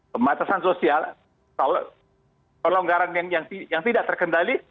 pembatasan sosial pelonggaran yang tidak terkendali